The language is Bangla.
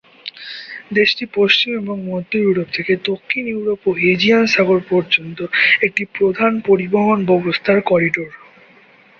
দেশটি পশ্চিম এবং মধ্য ইউরোপ থেকে দক্ষিণ ইউরোপ ও এজিয়ান সাগর পর্যন্ত একটি প্রধান পরিবহন ব্যবস্থার করিডোর।